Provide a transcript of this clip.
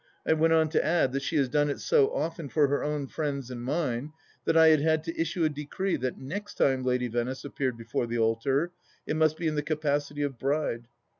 I went on to add that she has done it so often for her own friends and mine that I had had to issue a decree that next time Lady Venice appeared before the altar, it must be in the capacity of bride.